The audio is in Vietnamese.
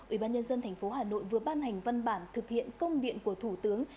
ủy ban nhân dân tp hà nội vừa ban hành văn bản thực hiện công điện của thủ tướng